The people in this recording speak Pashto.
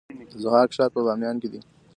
د ضحاک ښار په بامیان کې دی